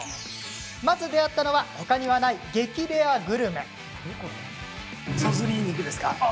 まず出会ったのは他にはない、激レアグルメ。